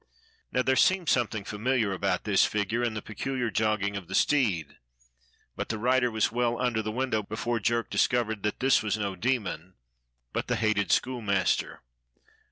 Now there seemed something familiar about this figure and the peculiar jogging of the steed; but the rider was well under the window before Jerk discovered that this was no demon, but the hated schoolmaster.